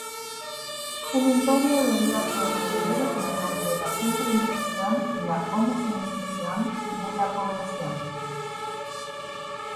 El imperio debía sobrevivir mediante la centralización y la homogeneización de la población.